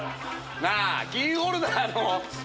なぁキーホルダーの。